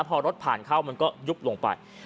พอรถผ่านเข้ามันก็ยุบลงไป